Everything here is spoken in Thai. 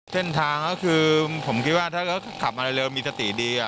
เท่นทางก็คือผมคิดว่าถ้าเขาขับมาเร็วเร็วมีสติดีอ่ะ